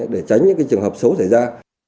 để tránh những cái trường hợp xấu xảy ra